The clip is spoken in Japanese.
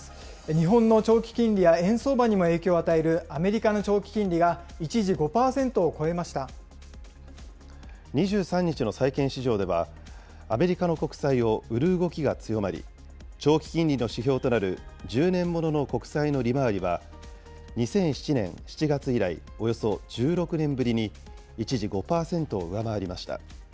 日本の長期金利や円相場にも影響を与えるアメリカの長期金利が、２３日の債券市場では、アメリカの国債を売る動きが強まり、長期金利の指標となる１０年ものの国債の利回りは、２００７年７月以来、およそ１６年ぶりに、一時５％を上回りました。